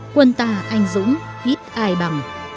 quân ta anh dũng ít ai bằng